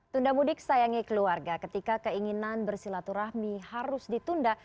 tunda mudik sayangi keluarga ketika keinginan bersilaturahmi harus ditunda